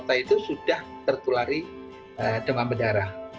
pada saat itu sudah tertulari demam berdarah